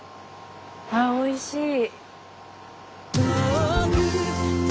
あおいしい。